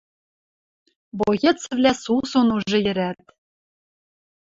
Боецвлӓ сусун уже йӹрӓт.